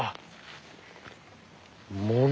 もの